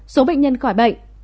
số bệnh nhân khỏi bệnh